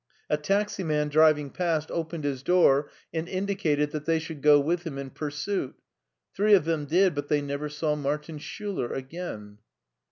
A taxi man driving past opened his door and indicated that they should go with him in pursuit. Three of them did, but they never saw Martin Schiiler again.